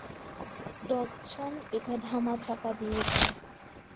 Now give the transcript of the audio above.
Dodgson এটা ধামাচাপা দিচ্ছে।